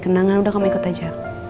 kenangan udah kamu ikut aja